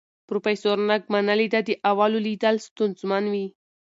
پروفیسور نګ منلې ده، د اولو لیدل ستونزمن دي.